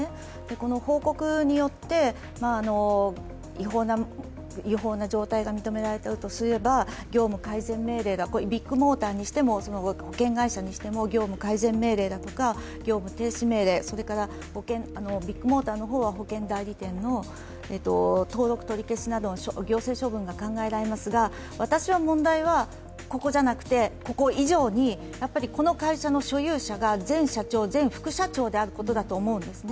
この報告によって違法な状態が認められているとすれば、業務改善命令が、ビッグモーターにしても保険会社にしても業務改善命令だとか、業務停止命令、それからビッグモーターの方は保険代理店の登録取り消しなどの行政処分が考えられますが私は問題は、ここじゃなくてここ以上にやっぱりこの会社の所有者が前社長、前副社長であるということだと思うんですね。